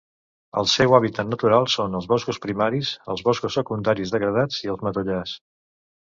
El seu hàbitat natural són els boscos primaris, els boscos secundaris degradats i els matollars.